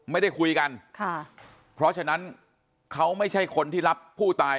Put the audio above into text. ไม่ได้คุยกันค่ะเพราะฉะนั้นเขาไม่ใช่คนที่รับผู้ตาย